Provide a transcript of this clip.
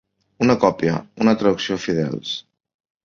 Una còpia, una traducció fidels.